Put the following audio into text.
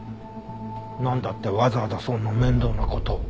なんだってわざわざそんな面倒な事を。